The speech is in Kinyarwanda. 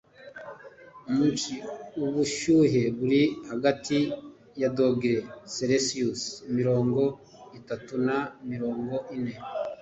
mu ci, ubushyuhe buri hagati ya dogere selisiyusi mirongo itatu na mirongo ine